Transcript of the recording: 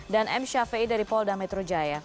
dan m syafiei dari polda metro jaya